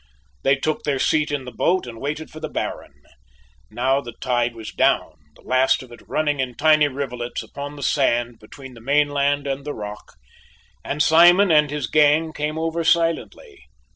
They took their seat in the boat and waited for the Baron. Now the tide was down, the last of it running in tiny rivulets upon the sand between the mainland and the rock, and Simon and his gang came over silently.